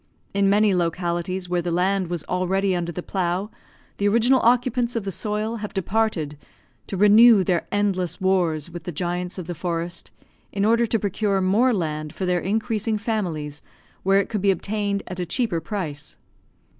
In many localities where the land was already under the plough, the original occupants of the soil have departed to renew their endless wars with the giants of the forest, in order to procure more land for their increasing families where it could be obtained at a cheaper price.